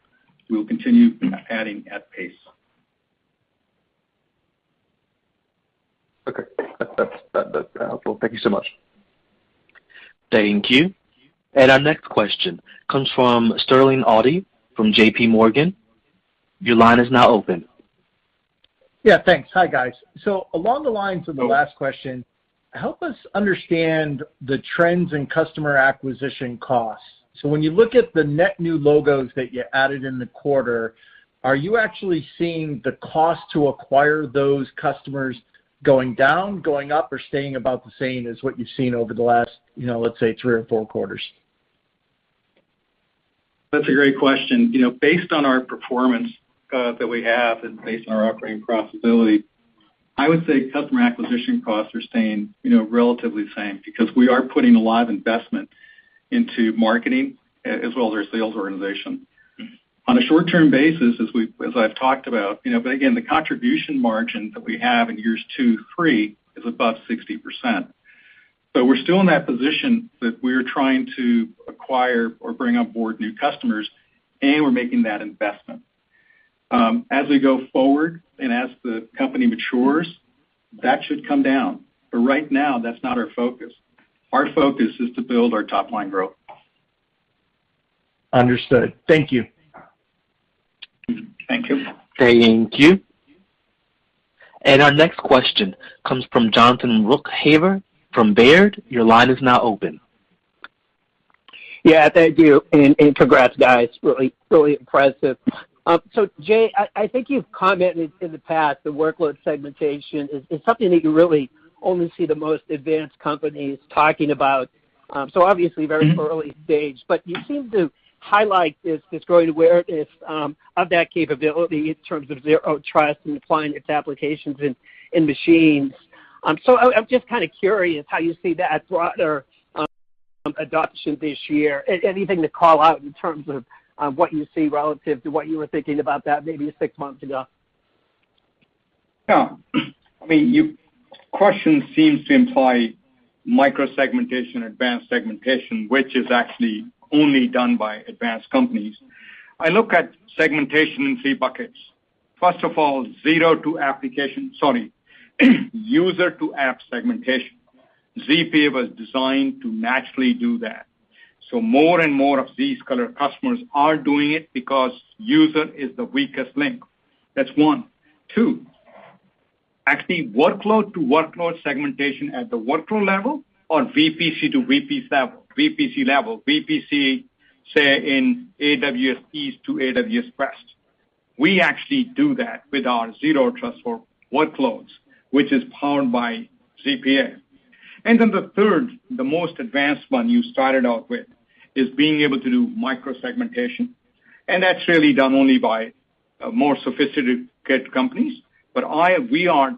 we will continue adding at pace. Okay. That's helpful. Thank you so much. Thank you. Our next question comes from Sterling Auty from JP Morgan. Your line is now open. Yeah, thanks. Hi, guys. Along the lines of the last question, help us understand the trends in customer acquisition costs? When you look at the net new logos that you added in the quarter, are you actually seeing the cost to acquire those customers going down, going up, or staying about the same as what you've seen over the last, you know, let's say, three or four quarters? That's a great question. You know, based on our performance that we have and based on our operating profitability, I would say customer acquisition costs are staying, you know, relatively the same because we are putting a lot of investment into marketing as well as our sales organization. On a short-term basis, as I've talked about, you know, but again, the contribution margin that we have in years two, three is above 60%. We're still in that position that we're trying to acquire or bring on board new customers, and we're making that investment. As we go forward and as the company matures, that should come down. Right now, that's not our focus. Our focus is to build our top-line growth. Understood. Thank you. Thank you. Thank you. Our next question comes from Jonathan Ruykhaver from Baird. Your line is now open. Yeah, thank you. Congrats, guys. Really impressive. Jay, I think you've commented in the past that workload segmentation is something that you really only see the most advanced companies talking about. Obviously very early stage, but you seem to highlight this growing awareness of that capability in terms of zero trust and applying its applications in machines. I'm just kinda curious how you see that broader adoption this year. Anything to call out in terms of what you see relative to what you were thinking about that maybe six months ago? Yeah. I mean, the question seems to imply micro-segmentation, advanced segmentation, which is actually only done by advanced companies. I look at segmentation in three buckets. First of all, user-to-app segmentation. ZPA was designed to naturally do that. So more and more of these larger customers are doing it because user is the weakest link. That's one. Two, actually workload-to-workload segmentation at the workload level or VPC to VPC level, say, in AWS East to AWS West. We actually do that with our zero trust for workloads, which is powered by ZPA. Then the third, the most advanced one you started out with, is being able to do micro-segmentation, and that's really done only by a more sophisticated companies. We are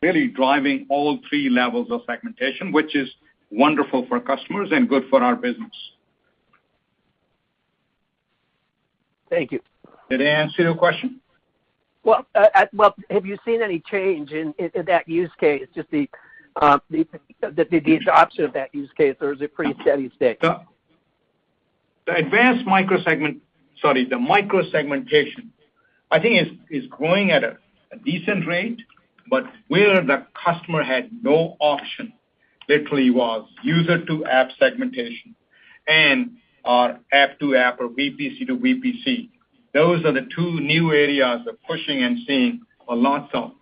really driving all three levels of segmentation, which is wonderful for customers and good for our business. Thank you. Did I answer your question? Well, have you seen any change in that use case, just the adoption of that use case, or is it pretty steady state? The micro-segmentation, I think, is growing at a decent rate, but where the customer had no option literally was user-to-app segmentation and or app-to-app or VPC to VPC. Those are the two new areas of pushing and seeing a lot of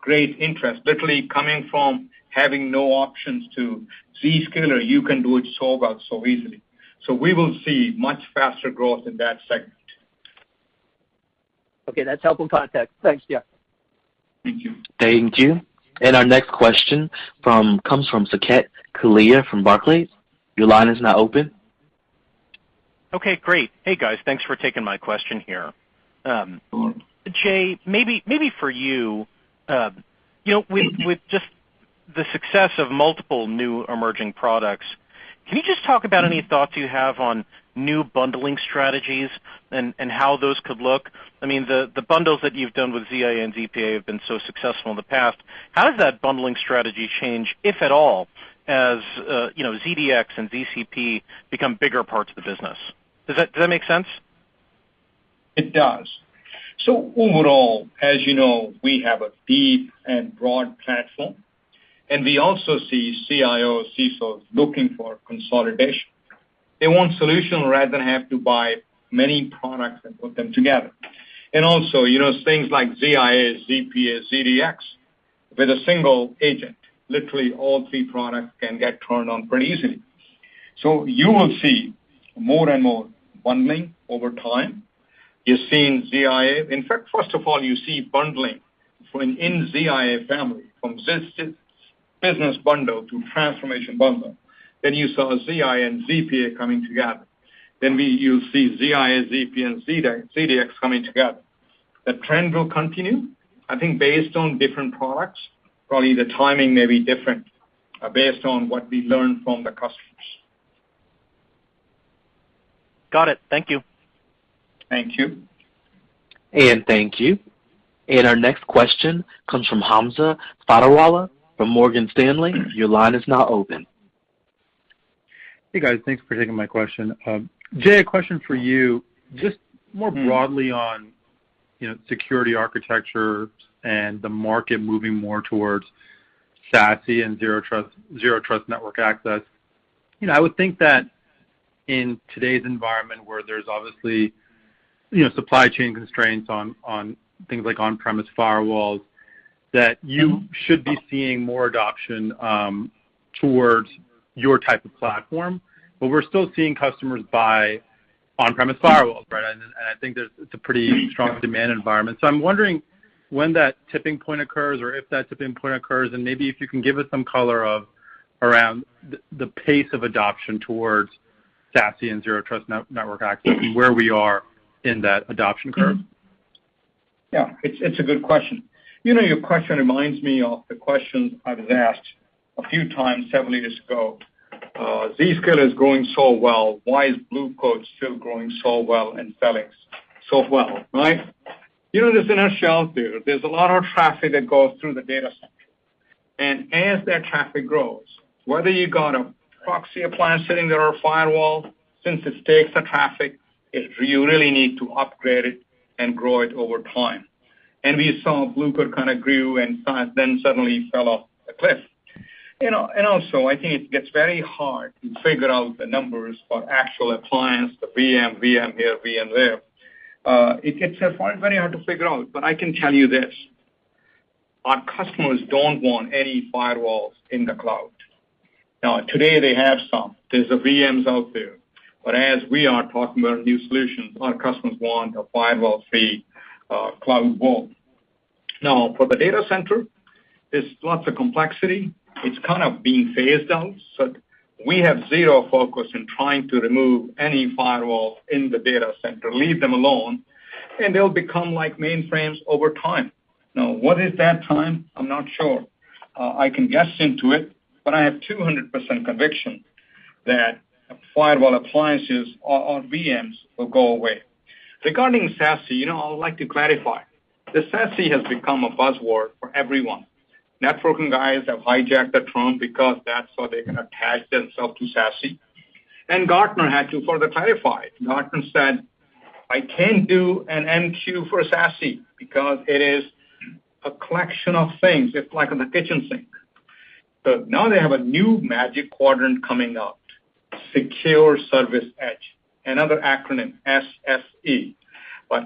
great interest, literally coming from having no options to Zscaler. You can do it so well, so easily. We will see much faster growth in that segment. Okay. That's helpful context. Thanks, Jay. Thank you. Thank you. Our next question comes from Saket Kalia from Barclays. Your line is now open. Okay, great. Hey, guys. Thanks for taking my question here. Jay, maybe for you know, with just the success of multiple new emerging products, can you just talk about any thoughts you have on new bundling strategies and how those could look? I mean, the bundles that you've done with ZIA and ZPA have been so successful in the past. How does that bundling strategy change, if at all, as you know, ZDX and ZCP become bigger parts of the business? Does that make sense? It does. Overall, as you know, we have a deep and broad platform, and we also see CIOs, CSOs looking for consolidation. They want solution rather than have to buy many products and put them together. Also, you know, things like ZIA, ZPA, ZDX with a single agent, literally all three products can get turned on pretty easily. You will see more and more bundling over time. You're seeing ZIA. In fact, first of all, you see bundling within ZIA family, from Business Bundle to Transformation Bundle. You saw ZIA and ZPA coming together. You see ZIA, ZPA, and ZDX coming together. The trend will continue. I think based on different products, probably the timing may be different, based on what we learn from the customers. Got it. Thank you. Thank you. Thank you. Our next question comes from Hamza Fodderwala from Morgan Stanley. Your line is now open. Hey, guys. Thanks for taking my question. Jay, a question for you. Just more broadly on, you know, security architecture and the market moving more towards SASE and zero trust network access. You know, I would think that in today's environment where there's obviously, you know, supply chain constraints on things like on-premise firewalls, that you should be seeing more adoption towards your type of platform. But we're still seeing customers buy on-premise firewalls, right? And I think there's a pretty strong demand environment. So I'm wondering when that tipping point occurs or if that tipping point occurs, and maybe if you can give us some color around the pace of adoption towards SASE and zero trust network access and where we are in that adoption curve. Yeah, it's a good question. Your question reminds me of the question I was asked a few times several years ago. Zscaler is growing so well, why is Blue Coat still growing so well and selling so well, right? You know, there's an inertia there. There's a lot of traffic that goes through the data center. As that traffic grows, whether you got a proxy appliance sitting there or a firewall, since it takes the traffic, you really need to upgrade it and grow it over time. We saw Blue Coat kinda grew in size then suddenly fell off a cliff. You know, also I think it gets very hard to figure out the numbers for actual appliance, the VM here, VM there. It's very hard to figure out. But I can tell you this. Our customers don't want any firewalls in the cloud. Now, today they have some. There's the VMs out there. But as we are talking about new solutions, our customers want a firewall-free cloud world. Now, for the data center, there's lots of complexity. It's kind of being phased out. We have zero focus in trying to remove any firewall in the data center, leave them alone, and they'll become like mainframes over time. Now, what is that time? I'm not sure. I can guess into it, but I have 200% conviction that firewall appliances or VMs will go away. Regarding SASE, you know, I would like to clarify. The SASE has become a buzzword for everyone. Networking guys have hijacked the term because that's how they can attach themselves to SASE. Gartner had to further clarify. Gartner said, "I can't do an MQ for SASE because it is a collection of things. It's like in the kitchen sink." Now they have a new Magic Quadrant coming out, Secure Service Edge. Another acronym, SSE.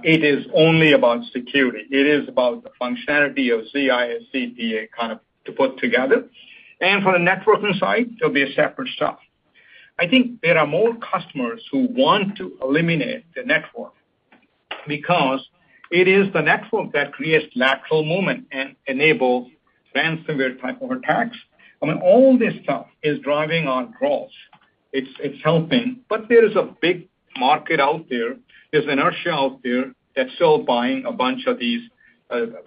It is only about security. It is about the functionality of SSE kind of to put together. For the networking side, it'll be a separate stuff. I think there are more customers who want to eliminate the network because it is the network that creates lateral movement and enables advanced severe type of attacks. I mean, all this stuff is driving our growth. It's helping. There is a big market out there's inertia out there that's still buying a bunch of these,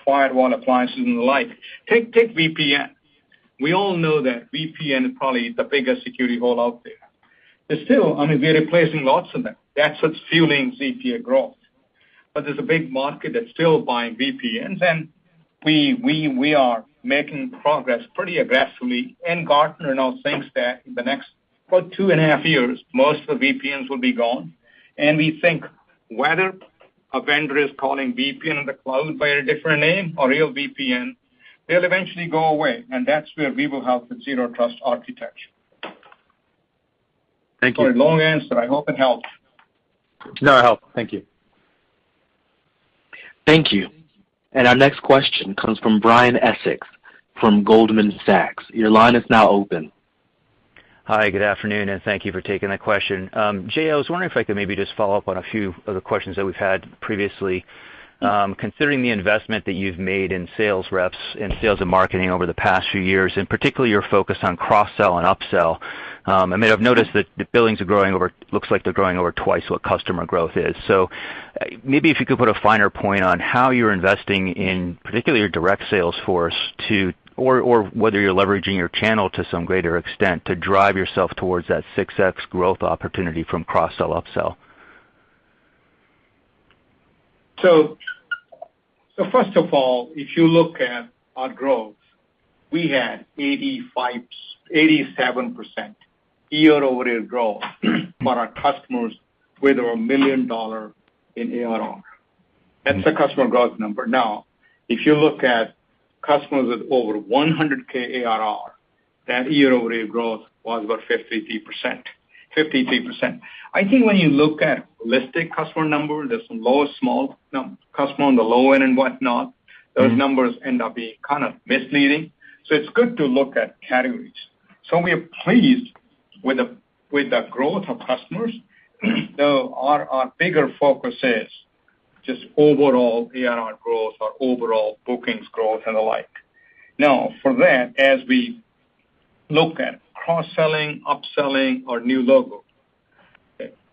firewall appliances and the like. Take VPN. We all know that VPN is probably the biggest security hole out there. Still, I mean, we're replacing lots of them. That's what's fueling ZPA growth. There's a big market that's still buying VPNs, and we are making progress pretty aggressively. Gartner now thinks that in the next about 2.5 years, most of the VPNs will be gone. We think whether a vendor is calling VPN in the cloud by a different name or real VPN, they'll eventually go away. That's where we will have the Zero Trust architecture. Thank you. Sorry, long answer. I hope it helps. No, it helped. Thank you. Thank you. Our next question comes from Brian Essex from Goldman Sachs. Your line is now open. Hi, good afternoon, and thank you for taking the question. Jay, I was wondering if I could maybe just follow up on a few of the questions that we've had previously. Considering the investment that you've made in sales reps and sales and marketing over the past few years, and particularly your focus on cross-sell and up-sell, I mean, I've noticed that the billings are growing over twice what customer growth is. Maybe if you could put a finer point on how you're investing in particularly your direct sales force or whether you're leveraging your channel to some greater extent to drive yourself towards that 6x growth opportunity from cross-sell, up-sell. First of all, if you look at our growth, we had 87% year-over-year growth for our customers with over $1 million in ARR. That's the customer growth number. Now, if you look at customers with over 100K ARR, that year-over-year growth was about 53%. I think when you look at listed customer number, there's some low small customer on the low end and whatnot. Those numbers end up being kind of misleading. It's good to look at categories. We are pleased with the growth of customers. Though our bigger focus is just overall ARR growth or overall bookings growth and the like. Now, for that, as we look at cross-selling, up-selling our new logo,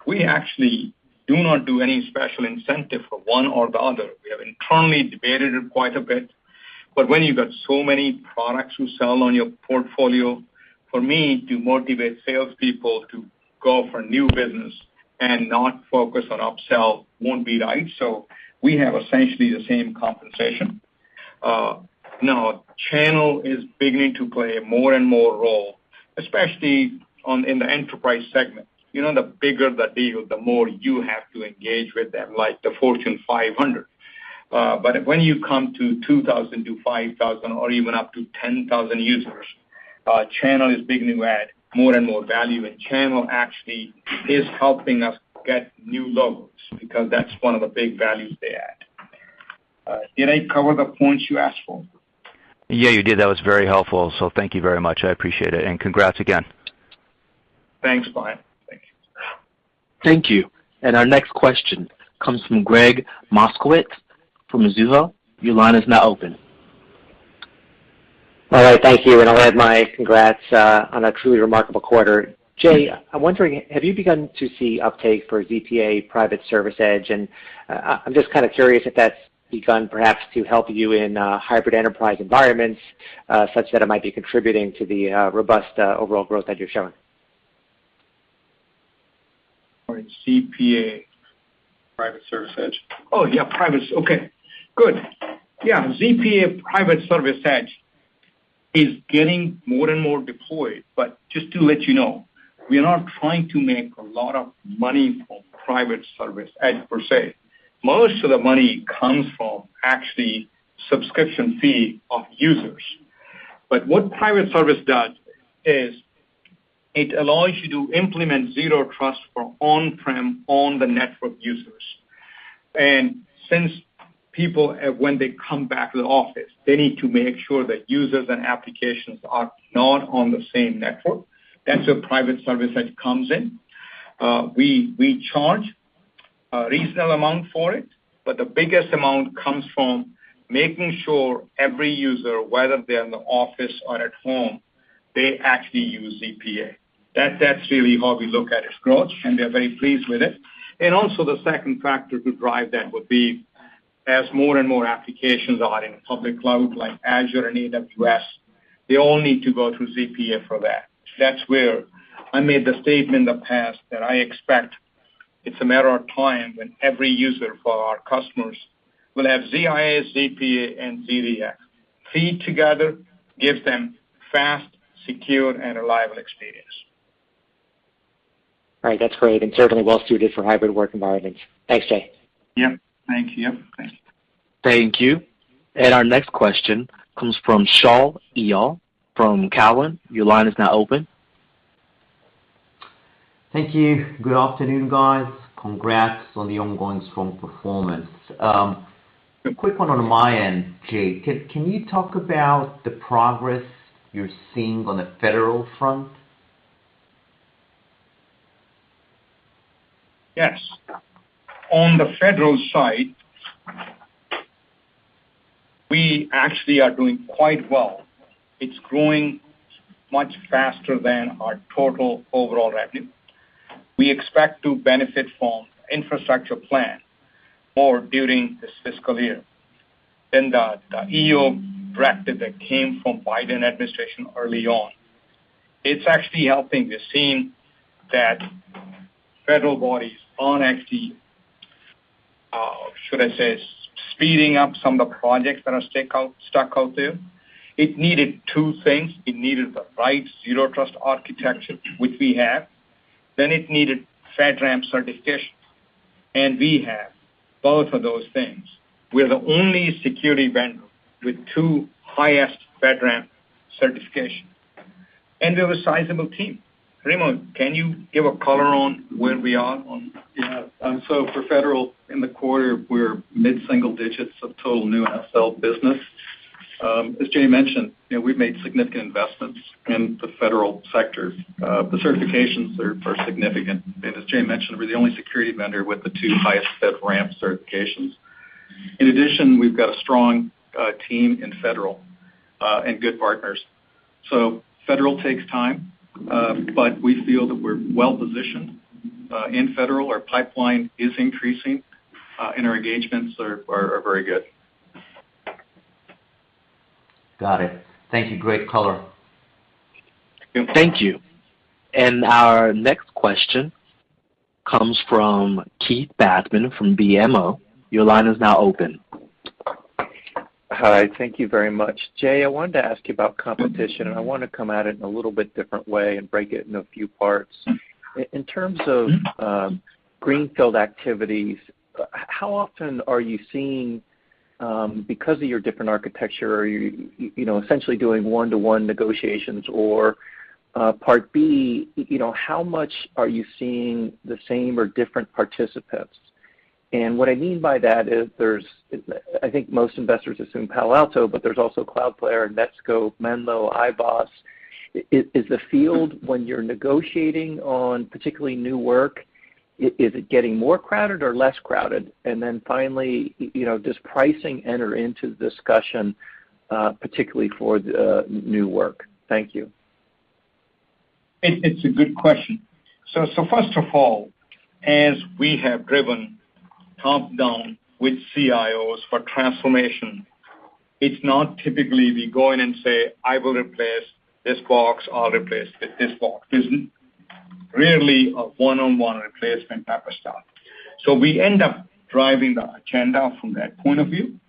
we actually do not do any special incentive for one or the other. We have internally debated it quite a bit, but when you've got so many products you sell on your portfolio, for me to motivate salespeople to go for new business and not focus on up-sell won't be right. We have essentially the same compensation. Now channel is beginning to play a more and more role, especially in the enterprise segment. The bigger the deal, the more you have to engage with them, like the Fortune 500. But when you come to 2,000 to 5,000 or even up to 10,000 users, channel is beginning to add more and more value. Channel actually is helping us get new logos because that's one of the big values they add. Did I cover the points you asked for? Yeah, you did. That was very helpful. Thank you very much. I appreciate it. Congrats again. Thanks, Brian. Thank you. Thank you. Our next question comes from Gregg Moskowitz from Mizuho. Your line is now open. All right. Thank you, and I'll add my congrats on a truly remarkable quarter. Jay, I'm wondering, have you begun to see uptake for ZPA Private Service Edge? I'm just kinda curious if that's begun perhaps to help you in hybrid enterprise environments such that it might be contributing to the robust overall growth that you're showing. Right. ZPA Private Service Edge. Oh, yeah, private. Okay, good. Yeah. ZPA Private Service Edge is getting more and more deployed, but just to let you know, we are not trying to make a lot of money from Private Service Edge per se. Most of the money comes from actually subscription fee of users. What Private Service Edge does is it allows you to implement zero trust for on-prem on the network users. Since people, when they come back to the office, they need to make sure that users and applications are not on the same network. That's where Private Service Edge comes in. We charge a reasonable amount for it, but the biggest amount comes from making sure every user, whether they're in the office or at home, they actually use ZPA. That's really how we look at its growth, and we are very pleased with it. Also the second factor to drive that would be as more and more applications are in public cloud like Azure and AWS, they all need to go through ZPA for that. That's where I made the statement in the past that I expect it's a matter of time when every user for our customers will have ZIA, ZPA, and ZDX. Three together give them fast, secure, and reliable experience. All right, that's great and certainly well suited for hybrid work environments. Thanks, Jay. Yep. Thank you. Yep. Thanks. Thank you. Our next question comes from Shaul Eyal from Cowen. Your line is now open. Thank you. Good afternoon, guys. Congrats on the ongoing strong performance. Quick one on my end, Jay. Can you talk about the progress you're seeing on the federal front? Yes. On the federal side, we actually are doing quite well. It's growing much faster than our total overall revenue. We expect to benefit from infrastructure plan more during this fiscal year than the EO directive that came from Biden administration early on. It's actually helping the sense that federal bodies aren't actually, should I say, speeding up some of the projects that are stuck out there. It needed two things. It needed the right zero trust architecture, which we have. It needed FedRAMP certification, and we have both of those things. We're the only security vendor with two highest FedRAMP certification. We have a sizable team. Remo, can you give a color on where we are on- Yeah. For federal in the quarter, we're mid-single digits of total new SL business. As Jay mentioned, you know, we've made significant investments in the federal sector. The certifications are significant. As Jay mentioned, we're the only security vendor with the two highest FedRAMP certifications. In addition, we've got a strong team in federal and good partners. Federal takes time, but we feel that we're well-positioned in federal. Our pipeline is increasing and our engagements are very good. Got it. Thank you. Great color. Yep. Thank you. Our next question comes from Keith Bachman from BMO. Your line is now open. Hi. Thank you very much. Jay, I wanted to ask you about competition, and I wanna come at it in a little bit different way and break it in a few parts. In terms of greenfield activities, how often are you seeing, because of your different architecture, are you know, essentially doing one-to-one negotiations? Or part B, you know, how much are you seeing the same or different participants? And what I mean by that is there's, I think most investors assume Palo Alto, but there's also Cloudflare, Netskope, Menlo, iboss. Is the field when you're negotiating on particularly new work, is it getting more crowded or less crowded? And then finally, you know, does pricing enter into the discussion, particularly for the new work? Thank you. It's a good question. First of all, as we have driven top-down with CIOs for transformation, it's not typically we go in and say, "I will replace this box. I'll replace with this box." It isn't really a one-on-one replacement type of stuff. We end up driving the agenda from that point of view.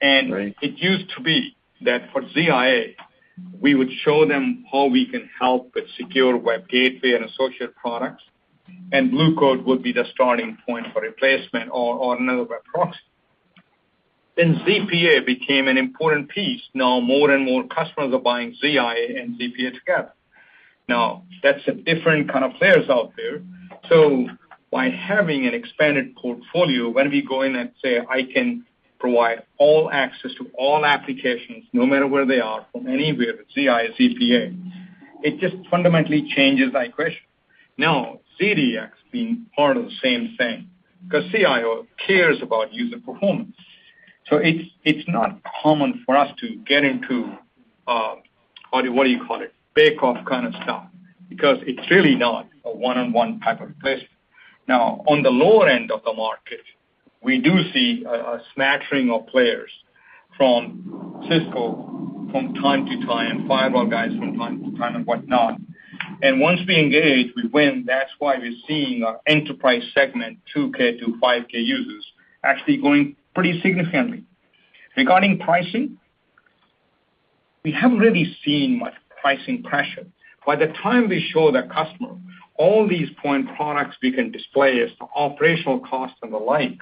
Right. It used to be that for ZIA, we would show them how we can help with secure web gateway and associate products, and Blue Coat would be the starting point for replacement or another web proxy. ZPA became an important piece. Now more and more customers are buying ZIA and ZPA together. Now, that's a different kind of players out there. By having an expanded portfolio, when we go in and say, "I can provide all access to all applications no matter where they are from anywhere with ZIA, ZPA," it just fundamentally changes that question. Now, ZDX being part of the same thing, 'cause CIO cares about user performance. It's not common for us to get into what do you call it? Bake-off kind of stuff, because it's really not a one-on-one type of replacement. Now, on the lower end of the market, we do see a smattering of players from Cisco from time to time, five of our guys from time to time and whatnot. Once we engage, we win. That's why we're seeing our enterprise segment 2K-5K users actually growing pretty significantly. Regarding pricing, we haven't really seen much pricing pressure. By the time we show the customer all these point products we can displace as to operational costs and the like,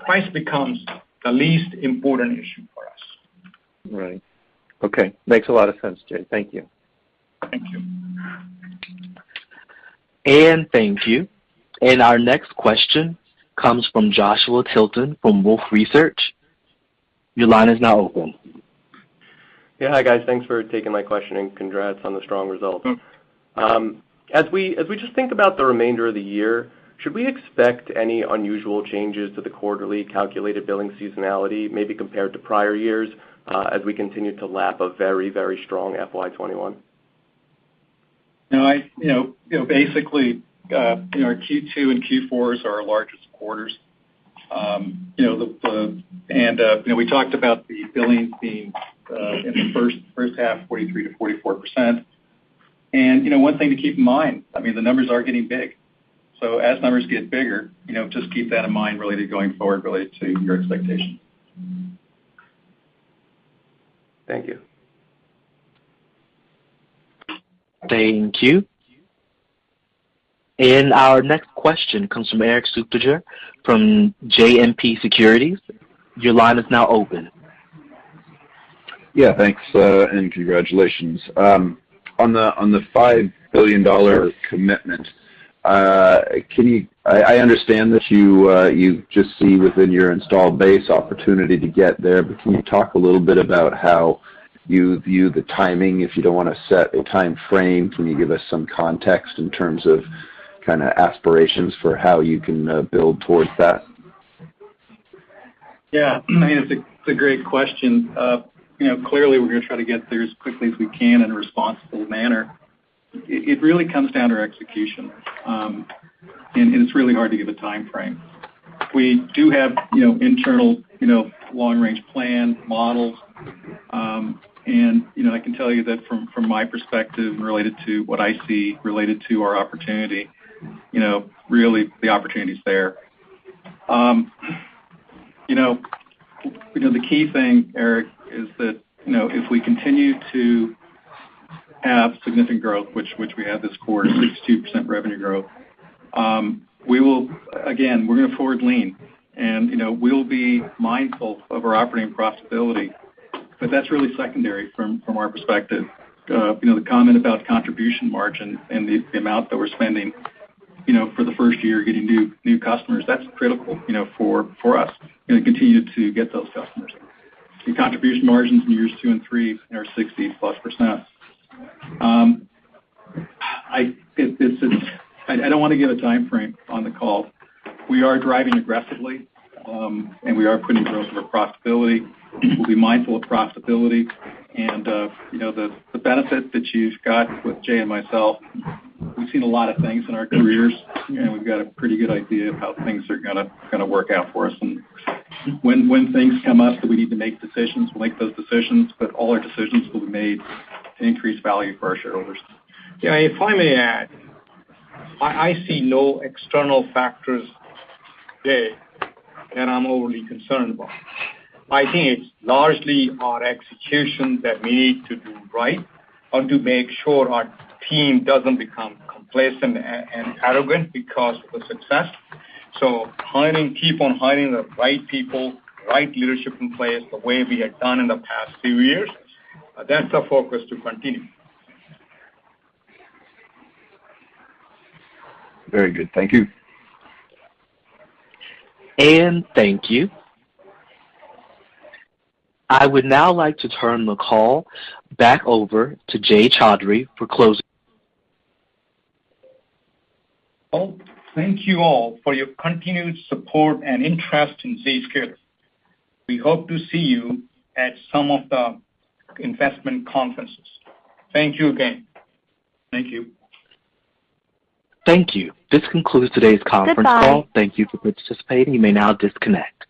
price becomes the least important issue for us. Right. Okay. Makes a lot of sense, Jay. Thank you. Thank you. Thank you. Our next question comes from Joshua Tilton from Wolfe Research. Your line is now open. Yeah. Hi, guys. Thanks for taking my question, and congrats on the strong results. As we just think about the remainder of the year, should we expect any unusual changes to the quarterly calculated billing seasonality, maybe compared to prior years, as we continue to lap a very strong FY 2021? No, you know, basically, you know, our Q2 and Q4s are our largest quarters. You know, we talked about the billings being in the first half, 43%-44%. You know, one thing to keep in mind, I mean, the numbers are getting big. As numbers get bigger, you know, just keep that in mind related going forward to your expectations. Thank you. Thank you. Our next question comes from Erik Suppiger from JMP Securities. Your line is now open. Yeah, thanks, and congratulations. On the $5 billion commitment, I understand that you just see within your installed base opportunity to get there, but can you talk a little bit about how you view the timing? If you don't wanna set a time frame, can you give us some context in terms of kinda aspirations for how you can build towards that? Yeah. It's a great question. You know, clearly, we're gonna try to get there as quickly as we can in a responsible manner. It really comes down to execution, and it's really hard to give a time frame. We do have, you know, internal long-range plan models. I can tell you that from my perspective related to what I see related to our opportunity, you know, really the opportunity is there. The key thing, Erik, is that, you know, if we continue to have significant growth, which we had this quarter, 62% revenue growth, we will. Again, we're gonna forward lean and, you know, we'll be mindful of our operating profitability, but that's really secondary from our perspective. The comment about contribution margin and the amount that we're spending for the first year getting new customers, that's critical for us to continue to get those customers. The contribution margins in years two and three are 60%+. I don't want to give a time frame on the call. We are driving aggressively, and we are putting goals for profitability. We'll be mindful of profitability and the benefit that you've got with Jay and myself. We've seen a lot of things in our careers, and we've got a pretty good idea of how things are gonna work out for us. When things come up that we need to make decisions, we'll make those decisions, but all our decisions will be made to increase value for our shareholders. Yeah, if I may add, I see no external factors today that I'm overly concerned about. I think it's largely our execution that we need to do right and to make sure our team doesn't become complacent and arrogant because of the success. Hiring, keep on hiring the right people, right leadership in place, the way we have done in the past few years, that's the focus to continue. Very good. Thank you. Thank you. I would now like to turn the call back over to Jay Chaudhry for closing. Well, thank you all for your continued support and interest in Zscaler. We hope to see you at some of the investment conferences. Thank you again. Thank you. Thank you. This concludes today's conference call. Goodbye. Thank you for participating. You may now disconnect.